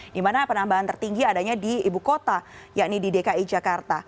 di mana penambahan tertinggi adanya di ibu kota yakni di dki jakarta